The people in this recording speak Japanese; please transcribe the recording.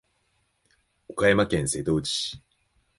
岡山県瀬戸内市